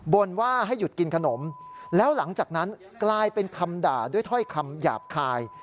ว่าให้หยุดกินขนมแล้วหลังจากนั้นกลายเป็นคำด่าด้วยถ้อยคำหยาบคาย